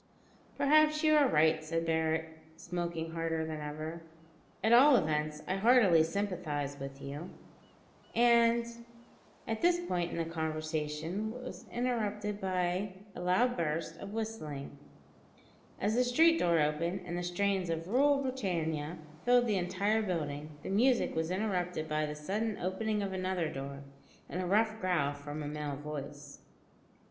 "Perhaps you are right," said Barret, smoking harder than ever. "At all events, I heartily sympathise with you, and " At this point the conversation was interrupted by a loud burst of whistling, as the street door opened and the strains of "Rule Britannia" filled the entire building. The music was interrupted by the sudden opening of another door, and a rough growl from a male voice.